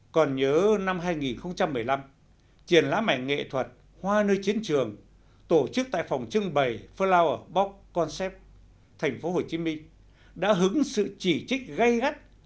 còn nhớ năm hai nghìn một mươi năm triển lá mảnh nghệ thuật hoa nơi chiến trường tổ chức tại phòng trưng bày flower box concept tp hcm đã hứng sự chỉ trích gây gắt